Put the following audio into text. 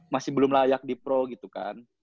masih belum layak di pro gitu kan